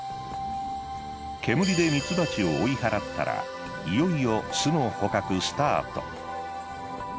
煙でミツバチを追い払ったらいよいよ巣の捕獲スタート。